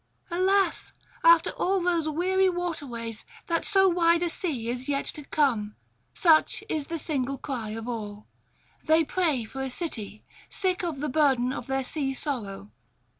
'Alas! after all those weary waterways, that so wide a sea is yet to come!' such is the single cry of all. They pray for a city, sick of the burden of their sea sorrow.